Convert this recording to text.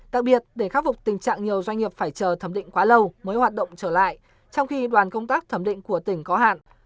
đặc biệt để khắc phục tình trạng nhiều doanh nghiệp phải chờ thẩm định quá lâu mới hoạt động trở lại trong khi đoàn công tác thẩm định của tỉnh có hạn